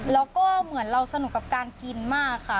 แล้วก็เหมือนเราสนุกกับการกินมากค่ะ